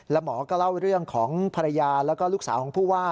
แล้วหมอก็เล่าเรื่องของภรรยาแล้วก็ลูกสาวของผู้ว่า